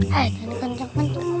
kan canceng kanceng